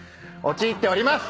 陥っております。